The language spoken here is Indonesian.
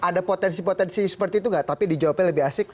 ada potensi potensi seperti itu nggak tapi dijawabnya lebih asik